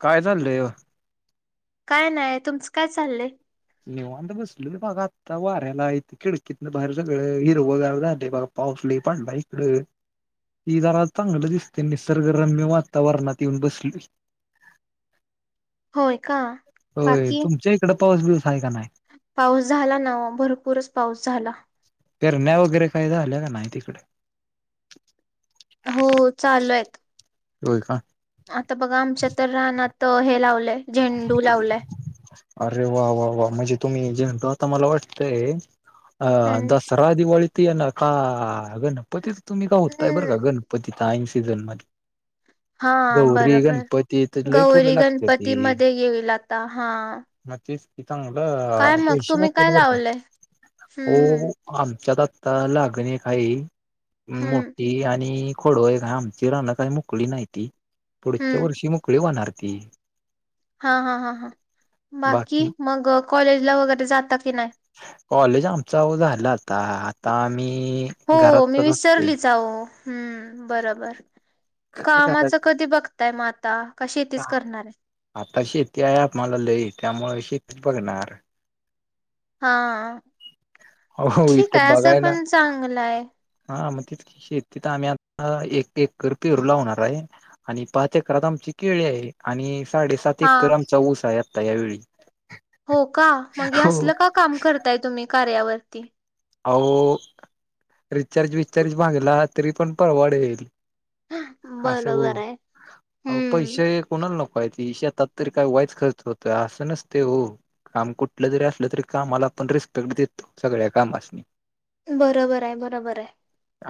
काय चाललंय. काय नाही तुमचं काय चाललंय. निवांत बसलेलो बघा आता वाऱ्याला इत खिडकीतन बाहेर सगळं हिरवगार झाले बघ. पाऊस लय पडला इकड. ते जार चांगलं दिसते निसर्गरम्य वातावरणात येऊन बसले. होय का. होय बाकी तुमच्या इकड पाऊस बिउस आहे का नाही? पाऊस झाला ना ओ भरपूरच पाऊस झाला. पेरण्या वगैरे काही झाल्या का नाही तिकड? हो चालू आहेत. होय का. आता बघा आमच्या तर रानात हे लावलंय. झेंडू लावलाय अरे वा वा वा! म्हणजे तुम्ही जे म्हणतो आता मला वाटतय. अं हम्म दसरा दिवाळीती येणार गणपतीच. तुम्ही गव्हताय बरं हम्म का गणपती सीझनमध्ये. हा बरोबर! गणपतीत लय फुलं गौरी गणपती मध्ये येईल आता हा. हा तेच की, काय चांगलं मग पैसे तुम्ही राहत्यात काय बर का लावलंय हो हम्म हो. आमच्यात आता लागणे काही हम्म मोठी आणि खडोय आमची राहणं काही मोकळी नाही ती, पुढच्या हम्म वर्षी मोकळी होणार ती. हा हा हां हां, बाकी मग कॉलेजला वगैरे जात की नाही? कॉलेज आमच झालं आता आता आम्ही हो मी घरातच असतोय. विसरलीच आ ओ हम् बरोबर काय कामाच करायचं कधी बघ ताय माता कशी तच करणार आहे. आता शेती आहे आम्हाला लई त्यामुळे शेतीच बघणार. हा हा हो ठीक इथं आहे, असं बघायला पण चांगलं आहे. हा मग तेच की शेतीत आम्ही आता एक एकर पेरू लावणार आहे. आणि पाच एकरात आमची केळी आहे, आणि साडेसात एक हा कमचा ऊस आहे आता यावेळी. हो का मग हो असलं का काम करताय तुम्ही कार्यावरती. आओ रिचार्ज विचार्ज मागला तरी पण परवडेल. आस बरोबर आहे हो हम्म पैसे कोणाला नको आहे ते, शेतात तरी काय वाईच खर्च होतोय असं नसतंय ओ. काम कुठलं जरी असलं तरी कामाला आपण रिस्पेक्ट देतो सगळ्या कामासनी. बरोबर आहे, बरोबर आहे.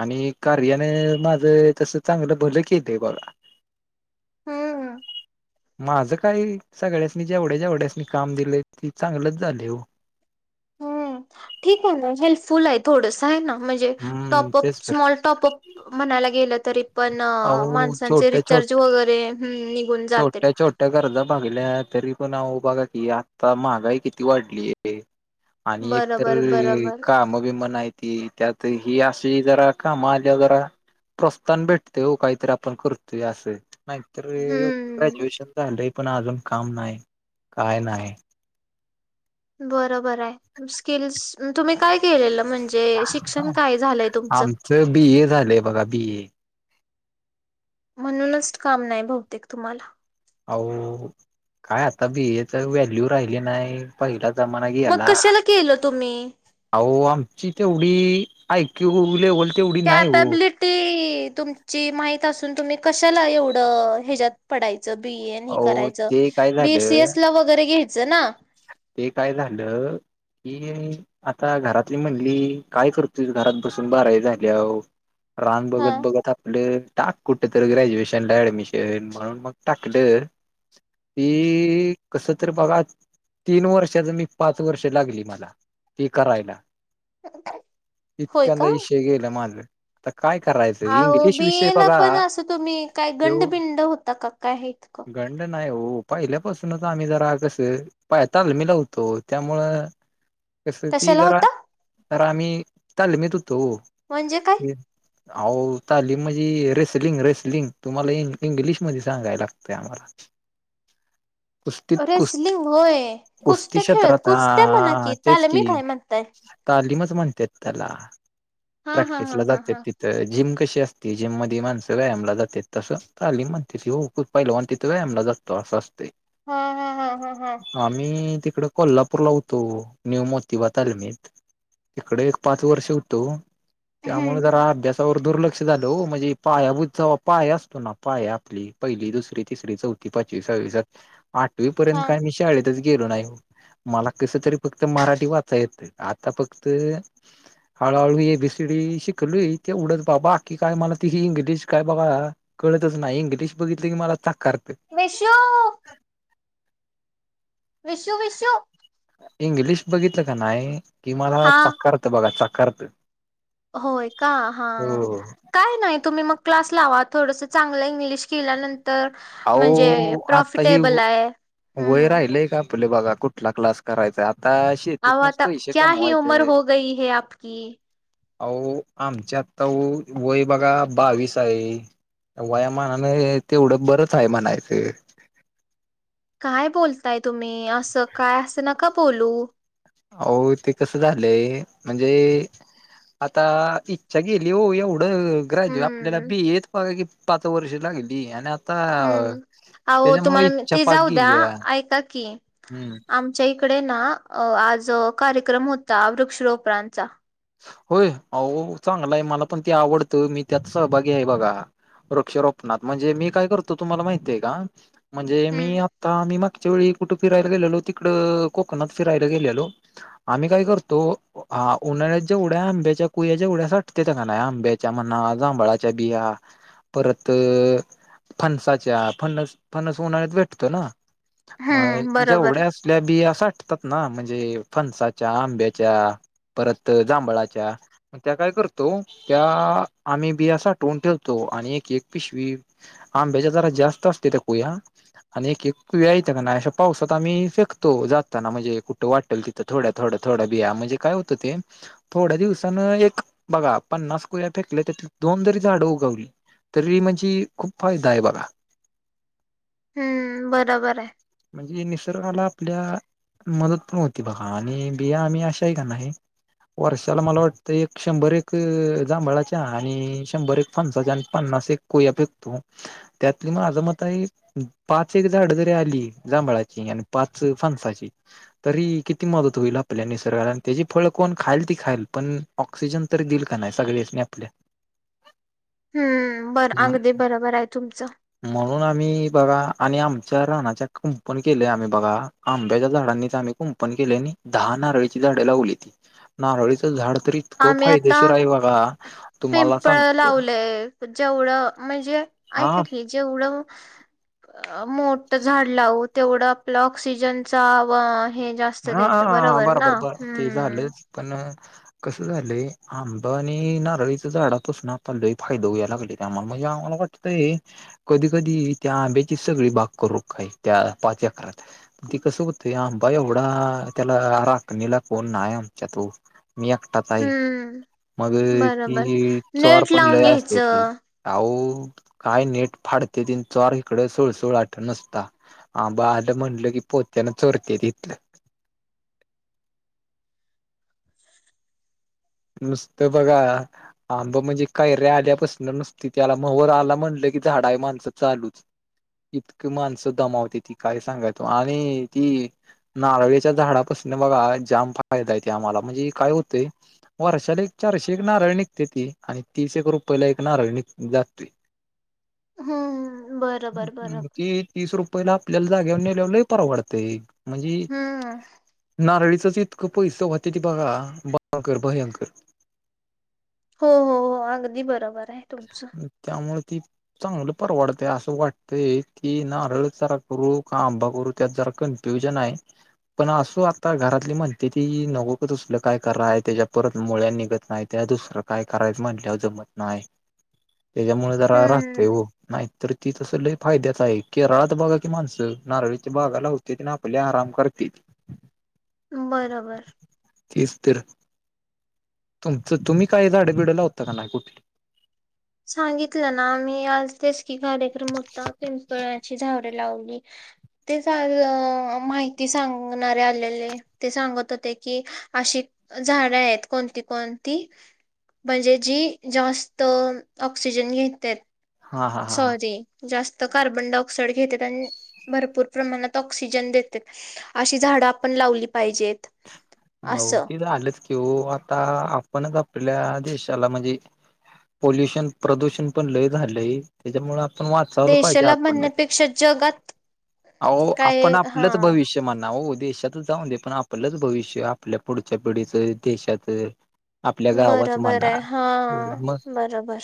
आणि कार्यान माझं तस चांगलं भलं केलेय बघा. हम हम. माझं काय सगळ्यासनी जेवढ्या जेवढ्यासनी काम दिले ते चांगलच झाले हो. ह् ठीक आहे ना हेल्पफुल आहे थोडस आहे ना म्हणजे हम्म टॉपअप तेच तर स्मॉल टॉप अप म्हणायला गेलं तरी पण अहो माणसांचे छोट्या छोट रिचार्ज वगैरे हम छोट्या छोट्या गरजा भागल्या तरी पण आओ बघा की आता महागाई किती वाढलीय. आणि एकतर बरोबर बरोबर काम बीम नाहीत. ती त्यात ही अस ही जरा काम आल्यावर जरा प्रोस्ताहन भेटते हो काहीतरी आपण करतोय अस. नाहीतर हम्म ग्रॅज्युएशन झालं पण अजून काम नाही, काय नाही. बरोबर आहे स्किल्स तुम्ही काय केलेलं. म्हणजे शिक्षण काय झालंय तुमचं? बिए झालेय बघा बिए. म्हणूनच काम नाही बहुतेक तुम्हाला. आओ काय आता बीएच व्हॅल्यू राहिले नाही. पहिला जमाना मग गेला. कशाला केलं तुम्ही आहो आमची तेवढी एक्यू लेवल तेवढी त्यात नाही हो. तबलिक ते तुमची माहित असून तुम्ही कशाला एवढं ह्याच्यात पडाय बीएन ह अहो करायच ते काय झालं बीसीएस ला वगैरे घ्यायचं ना ते काय झालं की आता घरातली म्हणली काय करतोय घरात बसून बाराई झाल्यावर रान हा बघत बघत आपल टाक कुठं तर ग्रॅज्युएशनला ऍडमिशन म्हणून मग टाकलं. ती कस तर बघा तीन वर्षाच मी पाच वर्ष लागली मला ती करायला. होय इतक्यांदा का इशे गेलं माझ आता काय करायचं अह इंग्लिश विषय बियला बघा पण असं तुम्ही काय गंडबिंड होता का काय इतकं अड नाही हो पहिल्यापासूनच आम्ही जरा कसं पायतालमी लावतो त्यामुळं कस ती कशाला जरा होता तर आम्ही ल मी त होतो म्हणजे काय ह आह आली म्हणजे रेसलिंग रेसलिंग तुम्हाला इंग्लिश मध्ये सांगायला लागतंय आम्हाला. कुस्तीत अरे कुस् स्लीिंग होय कुसत कुस्ती खेळत क्षेत्रात हा कुसत म्हणा की तालमी मी काय म्हणताय तालीमच म्हणते त्याला हा हा हा प्रॅक्टिसला हा जात हा तीत तर जिम कशी असते जिम मध्ये माणसं व्यायामला जातात तसं तालीम म्हणते त हो खूप पहिलं आणि तिथं व्यायामला जात. तो असं असते. हम हम हम हम हम आम्ही तिकडे कोल्हापूर ला होतो न्यू मोती बता आल मीत तिकडे एक पाच वर्ष होतो हम्म, त्यामुळे जरा अभ्यास दुर्लक्ष झालं हो म्हणजे पायाभुज पाय असतो ना पाया आपली पहिली दुसरी तिसरी चौथी ती पचवीस सवीसात आठवी पर्यंत हा काय मी शाळेतच गेलो नाही मला कस तरी फक्त मराठी वाचा येत आता फक्त हळूहळू एबीसीडी शिकलोय ते उडत बाबा आखकी काय मला तिी इंग्लिश काय बघा कळतच नाही इंग्लिश बघितलं की मला चाकारते विषो विशु विशु इंग्लिश बघितलं का नाही कि मला हा चाकारत बघा चाकारत होय का हा हो काय नाही तुम्ही मग क्लास लावा थोडंसं चांगलं इंग्लिश केल्यानंतर तर अहो आता हे वय हम्म राहिलय का आपले बघा कुठ क्लास करायचा आता अहो शेतीतनच आता पैसे क्या ह उमर कमवायचे. हो गय है आपकी अहो आमच्या आत्ता वय बघा बावीस आहे वयामानाने तेवढं बरच वयमानायच काय बोलताय तुम्ही असं काय असं नका बोलू हो ते कसं झालंय म्हणजे आता इच्छा गेली हो एवढं ग्रॅज्यू आपल्याला हम्म बी येत बघा की पाच वर्ष लागली आणि हम् अहो त्याच्यामुळे तुम्हाला इच्छा ते पाक जाऊ द्या गेली ऐका की हम्म आम आमच्या इकडे ना आज कार्यक्रम होता वृक्ष रोपणांचा होय अहो चांगलाय मला पण ते आवडतं मी त्यात सहभागी आहे बघा वृक्षरोपणात म्हणजे मी काय करतो तुम्हाला माहितीय का म्हणजे मी हम्म आता आम्ही मागच्या वेळी कुठे फिरायला गेलेलो तिकडं कोकणात फिरायला गेलेलो आम्ही काय करतो हा उन्हाळ्यात जेवढ्या आंब्याच्या कुया जेवढ्या वाटते त्या का नाही आंब्याच्या मना जांभळाच्या बिया. परत फणसाच्या फनस फनस उन्हाळ्यात भेटतो ना म हम्म बरोबर जेवढ्या आपल्या बिया साठतात ना म्हणजे फणसाच्या आंब्याच्या परत जांभळाच्या त्या काय करतो त्या आम्ही बिया साठवून ठेवतो आणि एक एक पिशवी आंब्याज जरा जास्त असते त्या कोुया आणि एक एक व येतं का नाही अशा पावसात आम्ही फेकतो जाताना म्हणजे कुठं वाटल तिथे तर थोड्या थोड्या थोडं बिया म्हणजे काय हो ते थोड्या दिवसान एक बघा पन्नास कुया फेकले त्या दोनदरी झाडं उगवली तरी म्हणजे खूप फायदा आहे बघा हम्म बरोबर आहे म्हणजे निसर्गाला आपल्या मदत पण होती बघा आणि बिया आम्ही अशाही काना आहे वर्षाला मला वाटतं एक शंभर एक जांभळाच्या आणि शंभर एक फनसाच्या आणि पन्नास एक कोयापेकतो त्यातली म माझं मत आहे पाच एक झाड जरी आली जांभळाची आणि पाच फानसाची तरी किती मदत होईल आपल्या निसर्गाला आणि त्याची फळ कोण खाईल ती खाईल पण ऑक्सिजन तरी देईल का नाही सगळेच मी आपल्या हम्म बर ह अगदी बरोबर आहे तुमचं म्हणून आम्ही बघा आणि आमच्या रानाच्या कुंपण केले आम्ही बघा आंब्याच्या झाडांनी तर आम्ही कुंपन केलेने दहा नारळीची झाडे लावली ती नारळीचं झाड तरी आम्ही आता तुम्हाला पिंपळ सांगतो लावलेय जेवढं म्हणजे हा ऐकाली जेवढव मोठ झाड लावू तेवढं आपलं ऑक्सिजनचा व हे हा देत हा ना बरोबर ब ते झालं हम्म पण कसं झालं आंब आणि नारळीचं झाडा तस ना आपलही फायदा होयला लागले ते आम्हाला म्हजे आम्हाला वाटते कधी कधी त्या आंब्याची सगळी बाग करू काही त्या पाच अकात दती कस हैशगत ह बायव ड त्याला राखणीला कोण नामच्या तो मी एकटात आहे हम्म मग बरोबर ती चोर नेट पण लावून लय असते ती घ्यायचं अह काय नेट फाडते तीन चार इकडे सोळ सोळ आठ नसता हा बालं म्हटलं की पोत्याना चोरते तथलं नुसत बघा आंब म्हणजे कायर्या आल्यापासून नसती त्याला महर आला म्हटलं की झाड आहे माणसं चालूच इतकी माणसं दमावते ती काय सांगा तो आणि ती नारळीच्या झाडापासून बघा जाम फायदा येत आम्हाला म्हणजे काय होते वर्षाला एक चारशे एक नारळ निघते ती आणि तीसशे एक रुपययाला एक नारळ निघ जाते हम्म बरोबर बरोबर ती तीस रुपयेला आपल्याला जागेवर ने लवलंही परवडतेय म्हणजे हम्म नारळीचं इतका पैस वाते त बघाकर भयाकर हो हो हो अगदी बरोबर आहे तुमचं त्यामुळे ती चांगलं परवडतं असं वाटतंय की नारळ चारा करू का आंबा करू त्यात जरा करण प्यऊजन आहे पण असो आता घरातली म्हणते ती नकोकच असल काय क आहे त्याच्या परत मुळ्या निघत नाहीत त्या दुसर काय करायचं म्हटल्यावर जमत नाही त्याच्यामुळे जरा राहतंय हम्म हो नाहीत ती तस ल फायद्याच आहे केरळचा भागा आहे की माणस नारळीच्या भागाला होत ते ना आपले आराम करते बरोबर तीच तर तुमच तुम्ही काय झाडं बिडला होता का नाही कुठली सांगितलं ना आम्ही आज तेच की कार्यक्रम होता पिंपळाची झावडेे लावली ते माहिती सांगणारे आलेले ते सांगत होते की अशी झाडं आहेत कोणती कोणती म्हणजे जी जास्त ऑक्सिजन घेत हा हा हा हा सॉरी जास्त कार्बन डाय ऑक्साइड घेते आणि भरपूर प्रमाणात ऑक्सिजन देते अशी झाडं आपण लावली पाहिजेत हो असं ते झालेच की आता आपणच आपल्या देशाला म्हणजे पॉोल्युशन प्रदूषण पण लय झालंय त्याच्यामुळे आपण वाचावलं पाहिजे देशाला आपण म्हणण्यापेक्षा जगात अ आपण काय हा आपलंच भविष्य म्हण ना हो देशातच जाऊ दे पण आपलंच भविष्य आपल्या पुढच्या पिढीचं देशातच आपल्या गावच बरोबर आहे हा म्हणार मस्त बरोबर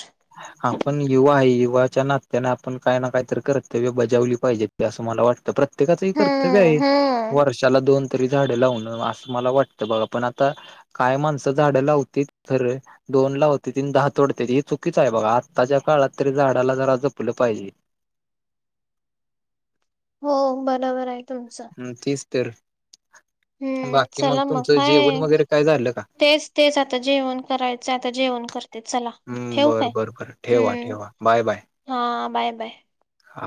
आपण युवा आहे युवाच्या नात्याने आपण काय ना काय तर कर्तव्य बजावली पाहिजे ते असं मला वाटतं प्रत्येकाचं ह कर्तव्य हम्म आहे हम्म वर्षाला दोन तरी झाडें लावण मला वाटतं बघा पण आता काय माणसं झाडं लावती तर दोन ला होते तीन दहा तोडते हे चुकीच आहे बघा आत्ताच्या काळात तरी झाडाला जरा जपलं पाहिजे हो बरोबर आहे तुमचं ह् तसतर हम्म चला मग काय वगैरे काय झालं का तेच तेच आता जेवण करायचं आता जेवण कर ते चला हम्म ठेव बर काय बर बर ठेवा हम्म ठेवा बाय बाय हा बाय बाय हा